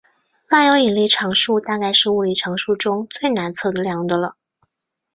万有引力常数大概是物理常数中最难测量的了。